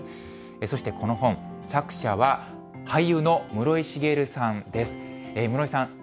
そしてこの本、作者は俳優の室井滋さんです。